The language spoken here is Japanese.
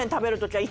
はい。